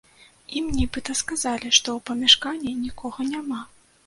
Ім, нібыта, сказалі, што ў памяшканні нікога няма.